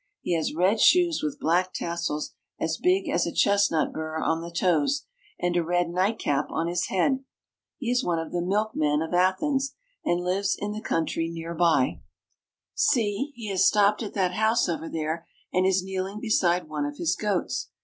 He has red shoes with black tassels as big as a chestnut bur on the toes, and a red nightcap on his head. He is one of the milkmen of Athens, and lives in the coun IN MODERN GREECE. 387 try near by. See, he has stopped at that house over there and is kneeling beside one of his goats.